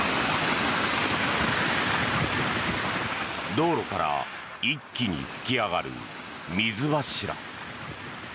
道路から一気に噴き上がる水柱。